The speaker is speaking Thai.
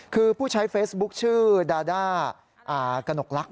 คือผู้ใช้เฟสบุ๊คชื่อดาดากนกลั๊ก